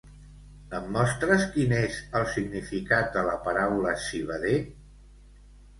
Em mostres quin és el significat de la paraula civader?